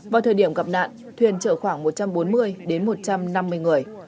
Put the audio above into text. vào thời điểm gặp nạn thuyền chở khoảng một trăm bốn mươi đến một trăm năm mươi người